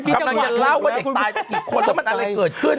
กำลังจะเล่าว่าเด็กตายไปกี่คนแล้วมันอะไรเกิดขึ้น